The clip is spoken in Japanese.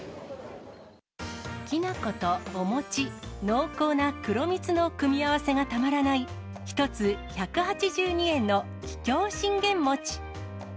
きな粉とお餅、濃厚な黒蜜の組み合わせがたまらない、１つ１８２円の桔梗信玄餅。